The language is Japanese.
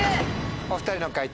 お２人の解答